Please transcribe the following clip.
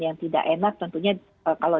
yang tidak enak tentunya kalau